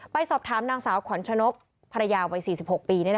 ไปสอบถามนางสาวขวัญชนกภรรยาวัย๔๖ปี